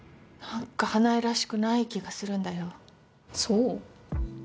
何か花枝らしくない気がするんだよそう？